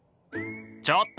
ちょっと！